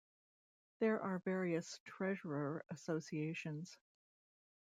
There are various Treasurer associations.